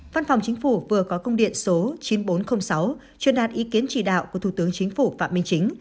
văn phòng chính phủ vừa có công điện số chín nghìn bốn trăm linh sáu chuyên đạt ý kiến chỉ đạo của thủ tướng chính phủ phạm minh chính